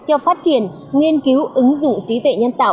cho phát triển nghiên cứu ứng dụng trí tuệ nhân tạo